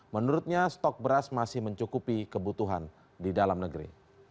menurutnya stok beras masih mencukupi kebutuhan di dalam negeri